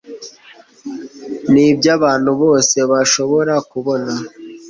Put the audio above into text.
ni iby'abantu bose bashobora kubona